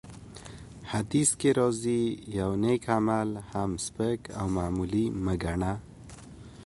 حديث کي راځي : يو نيک عمل هم سپک او معمولي مه ګڼه!